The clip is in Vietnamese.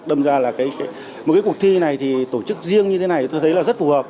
đâm ra là một cái cuộc thi này thì tổ chức riêng như thế này tôi thấy là rất phù hợp